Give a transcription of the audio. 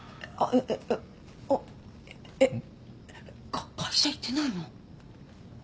かっ会社行ってないの？